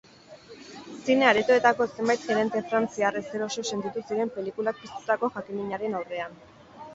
Zine aretoetako zenbait gerente frantziar ezeroso sentitu ziren pelikulak piztutako jakinminaren aurrean.